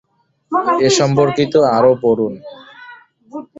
এ সম্পর্কিত আরও পড়ুন